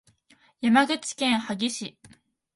山口県萩市